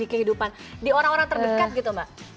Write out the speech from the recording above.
kehidupan di orang orang terdekat gitu mbak